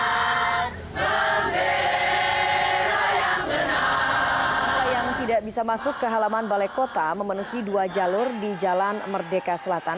masa yang tidak bisa masuk ke halaman balai kota memenuhi dua jalur di jalan merdeka selatan